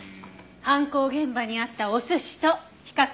犯行現場にあったお寿司と比較